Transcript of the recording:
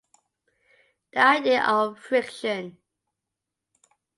The idea of friction.